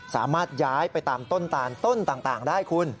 สามารถย้ายไปตามต้นตานต้นต่างได้คุณ